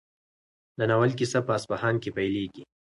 د ناول کیسه په اصفهان کې پیلېږي.